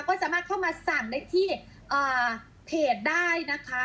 ก็สามารถเข้ามาสั่งได้ที่เพจได้นะคะ